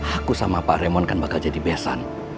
aku sama pak remon kan bakal jadi besan